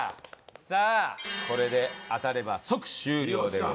さあこれで当たれば即終了でございます。